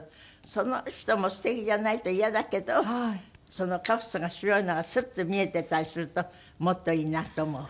その人もすてきじゃないと嫌だけどそのカフスが白いのがスッと見えていたりするともっといいなって思う。